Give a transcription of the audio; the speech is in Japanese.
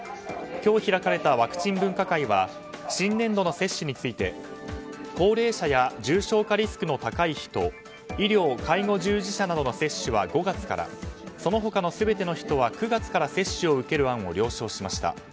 今日開かれたワクチン分科会は新年度の接種について高齢者や重症化リスクの高い人医療・介護従事者などの接種は５月からその他の全ての人は９月から接種を受ける案を了承しました。